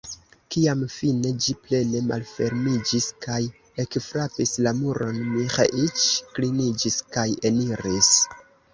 Kiam fine ĝi plene malfermiĝis kaj ekfrapis la muron, Miĥeiĉ kliniĝis kaj eniris.